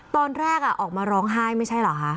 ตอนแรกออกมาร้องไห้ไม่ใช่เหรอคะ